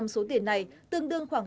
số tiền này tương đương khoảng